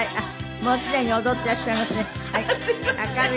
もうすでに踊っていらっしゃいますね。